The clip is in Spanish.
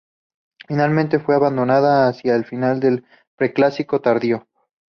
Finalmente fue abandonada hacia el final del Preclásico tardío.